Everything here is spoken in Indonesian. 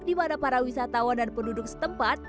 dimana para wisatawan dan penduduk setempat